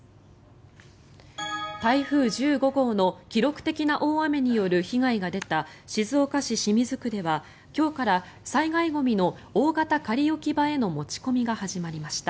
台風１５号の記録的な大雨による被害が出た静岡市清水区では今日から災害ゴミの大型仮置き場への持ち込みが始まりました。